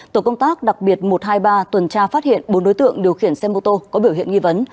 tổ công tác đặc biệt một trăm hai mươi ba tuần tra phát hiện bốn đối tượng điều khiển xe mô tô có biểu hiện nghi vấn